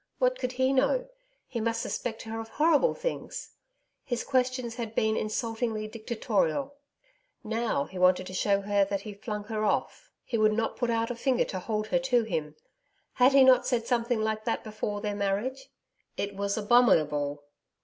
What could he know? He must suspect her of horrible things. His questions had been insultingly dictatorial. Now, he wanted to shew her that he flung her off. He would not put out a finger to hold her to him. Had he not said something like that before their marriage! ... It was abominable.